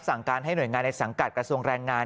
สั่งการให้หน่วยงานในสังกัดกระทรวงแรงงาน